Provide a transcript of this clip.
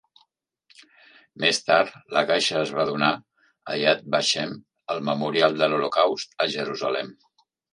Més tard, la caixa es va donar a Yad Vashem, el Memorial de l'Holocaust a Jerusalem.